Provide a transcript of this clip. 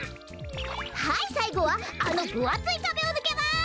はいさいごはあのぶあついかべをぬけます。